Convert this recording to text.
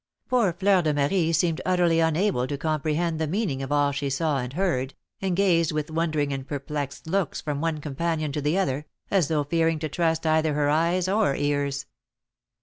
Poor Fleur de Marie seemed utterly unable to comprehend the meaning of all she saw and heard, and gazed with wondering and perplexed looks from one companion to the other, as though fearing to trust either her eyes or ears.